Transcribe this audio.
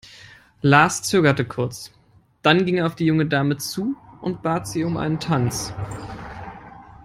Lars zögerte kurz, dann ging er auf die junge Dame zu und bat sie um einen Tanz.